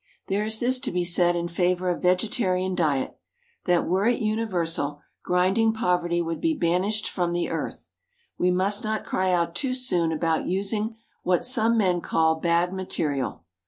There is this to be said in favour of vegetarian diet that, were it universal, grinding poverty would be banished from the earth. We must not cry out too soon about using what some men call bad material.